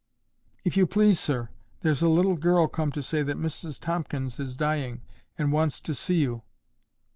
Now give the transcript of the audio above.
"If you please, sir, here's a little girl come to say that Mrs Tomkins is dying, and wants to see you."